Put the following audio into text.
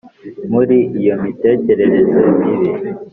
muri iyo mitekerereze mibi